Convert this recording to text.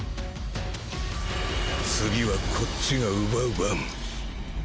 次はこっちが奪う番。